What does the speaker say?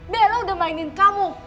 bella udah mainin kamu